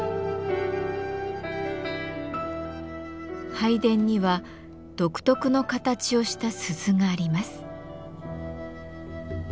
拝殿には独特の形をした鈴があります。